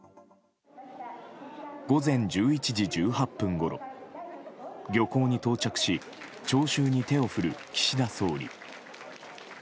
午前１１時１８分ごろ漁港に到着し聴衆に手を振る岸田総理。